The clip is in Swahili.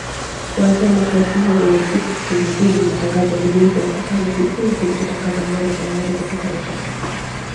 Kuanzia mwaka elfu moja mia tisa sitini na mbili, matangazo yaligeuzwa na kufanywa kipindi kilichotangazwa moja kwa moja kutoka Washington.